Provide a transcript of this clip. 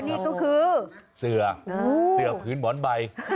นี่ก็คือเสือเสื้อพื้นหมอนใบ